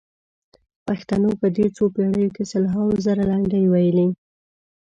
پښتنو په دې څو پېړیو کې سلهاوو زره لنډۍ ویلي.